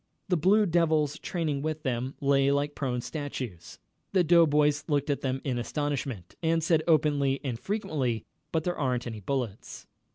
The Blue Devils training with them lay like prone statues. The doughboys looked at them in astonishment, and said, openly and frequently: "But there ain't any bullets."